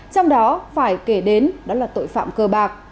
trong đó phải kể đến đó là tội phạm cơ bạc